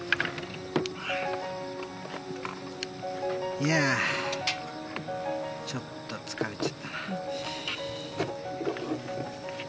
いやー、ちょっと疲れちゃったな。